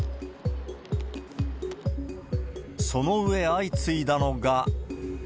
その上、相次いだのが。